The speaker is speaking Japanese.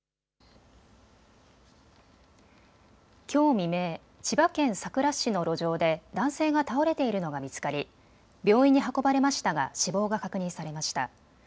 きょう未明、千葉県佐倉市の路上で男性が倒れているのが見つかり病院に運ばれましたが死亡が確認されました。